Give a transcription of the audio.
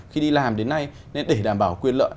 khi đi làm đến nay để đảm bảo quyền lợi